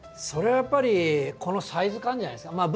それはやっぱりこのサイズ感じゃないですか。